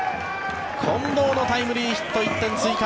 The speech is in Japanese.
近藤のタイムリーヒット１点追加。